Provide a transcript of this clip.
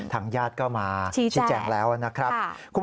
ทางญาติก็มาชี้แจงแล้วนะครับ